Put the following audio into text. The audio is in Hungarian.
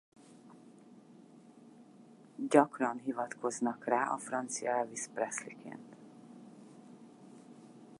Gyakran hivatkoznak rá a francia Elvis Presleyként.